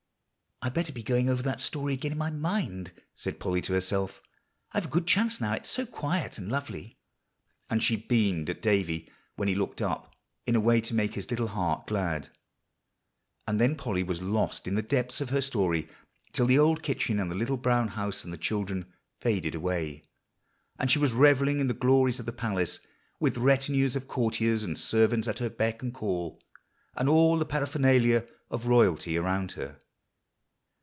"I better be going over that story again in my mind," said Polly to herself. "I've a good chance now, it's so quiet and lovely;" and she beamed at Davie when he looked up, in a way to make his little heart glad. And then Polly was lost in the depths of her story till the old kitchen and the little brown house and the children faded away; and she was revelling in the glories of the palace, with retinues of courtiers and servants at her beck and call, and all the paraphernalia of royalty around her.